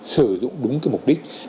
sử dụng đúng cái mục đích